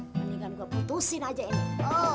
mendingan gue putusin aja ini